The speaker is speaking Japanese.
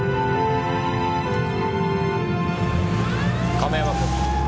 亀山君。